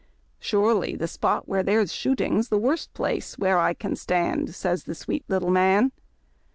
Surely, the spot where there's shooting's the worst place Where I can stand, says the sweet little man.